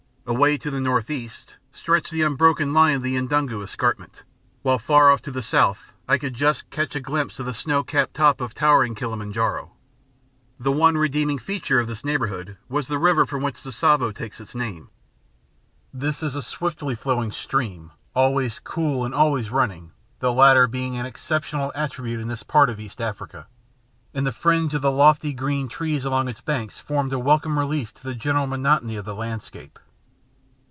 Away to the north east stretched the unbroken line of the N'dungu Escarpment, while far off to the south I could just catch a glimpse of the snow capped top of towering Kilima N'jaro. The one redeeming feature of the neighbourhood was the river from which Tsavo takes its name. This is a swiftly flowing stream, always cool and always running, the latter being an exceptional attribute in this part of East Africa; and the fringe of lofty green trees along its banks formed a welcome relief to the general monotony of the landscape.